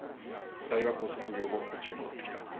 大学を卒業後こっちに戻ってきた。